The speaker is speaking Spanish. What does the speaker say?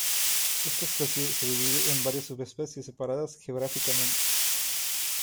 Esta especie se divide en varias subespecies separadas geográficamente.